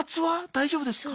大丈夫ですか？